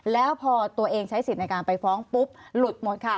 แล้วพอตัวเองใช้สิทธิ์ในการไปฟ้องปุ๊บหลุดหมดค่ะ